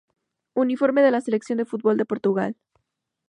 Uniforme de la selección de fútbol de Portugal